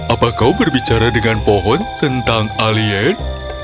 apa kau berbicara dengan pohon tentang alien